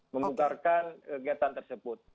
memubarkan kegiatan tersebut